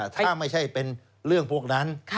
ถ้าไม่ใช่เป็นเรื่องพวกนั้น